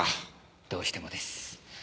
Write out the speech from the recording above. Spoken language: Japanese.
どうしてもです。